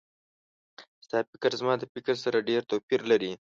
ستا فکر زما د فکر سره ډېر توپیر لري